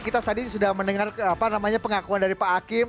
kita tadi sudah mendengar pengakuan dari pak hakim